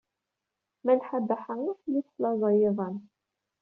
Malḥa Baḥa ur telli teslaẓay iḍan.